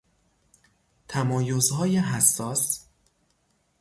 تمایزهای حساس